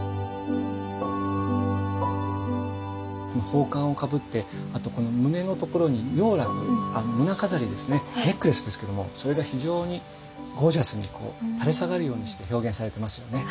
宝冠をかぶってあとこの胸のところにネックレスですけどもそれが非常にゴージャスに垂れ下がるようにして表現されてますよね。